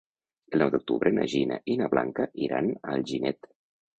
El nou d'octubre na Gina i na Blanca iran a Alginet.